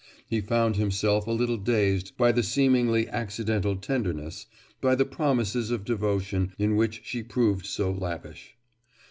He found himself a little dazed by the seemingly accidental tenderness, by the promises of devotion, in which she proved so lavish.